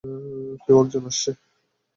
কেউ একজন আসছে।